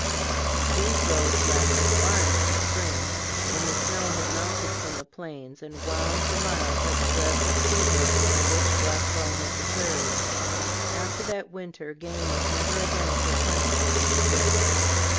These roads lasted far into the spring, when the snow had melted from the plains, and wound for miles like threads of silver over the rich black loam of the prairies. After that winter game was never again so plentiful in the State.